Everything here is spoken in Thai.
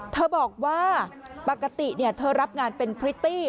เธอบอกว่าปกติเธอรับงานเป็นพริตตี้